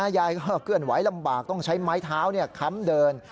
ยายก็เคลื่อนไหวลำบากต้องใช้ไม้เท้าค้ำเดิน